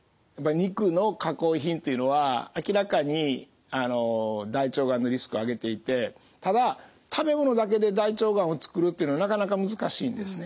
肉の加工品というのは明らかに大腸がんのリスクを上げていてただ食べ物だけで大腸がんを作るというのはなかなか難しいんですね。